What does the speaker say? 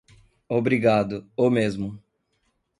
Obrigado, o mesmo.